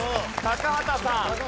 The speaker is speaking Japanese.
高畑さん。